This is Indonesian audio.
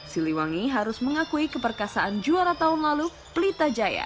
siliwangi harus mengakui keperkasaan juara tahun lalu pelita jaya